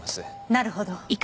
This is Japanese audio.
なるほど。